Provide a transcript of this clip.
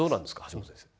橋本先生。